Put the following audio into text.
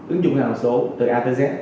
ứng dụng hàng số từ a tới z